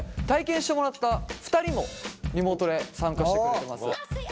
体験してもらった２人もリモートで参加してくれてます。